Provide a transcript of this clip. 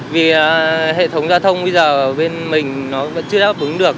vì hệ thống giao thông bây giờ bên mình nó chưa đáp ứng được